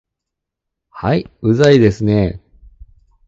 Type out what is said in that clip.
はい、うざいですね